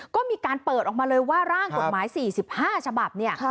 ก็มีการเปิดออกมาเลยว่าร่างกฎหมายสี่สิบห้าฉบับเนี่ยค่ะ